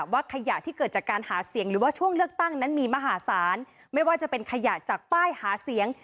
ว่าขยะที่เกิดจากการหาเสียงหรือว่าช่วงเลือกตั้งนั้นมีมหาศาลไม่ว่าจะเป็นขยะจากป้ายหาเสียง